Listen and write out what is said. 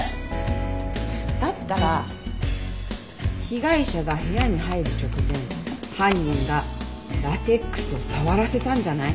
だったら被害者が部屋に入る直前犯人がラテックスを触らせたんじゃない？